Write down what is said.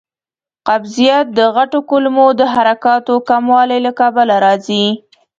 قبضیت د غټو کولمو د حرکاتو کموالي له کبله راځي.